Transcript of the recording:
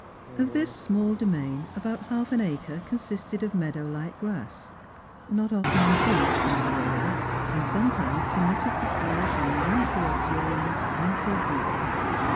Of this small domain about half an acre consisted of meadow like grass, not often improved by the roller, and sometimes permitted to flourish in rank luxuriance ankle deep.